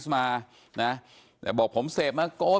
ตำรวจต้องไล่ตามกว่าจะรองรับเหตุได้